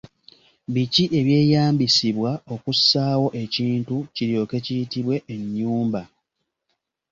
Biki ebyeyambisibwa okussaawo ekintu kiryoke kiyitibwe ennyumba?